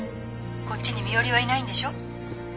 こっちに身寄りはいないんでしょう？